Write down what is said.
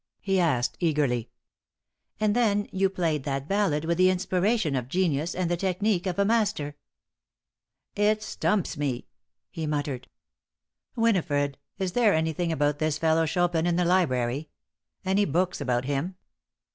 he asked, eagerly. "And then you played that ballade with the inspiration of genius and the technique of a master." "It stumps me!" he muttered. "Winifred, is there anything about this fellow Chopin in the library? Any books about him?"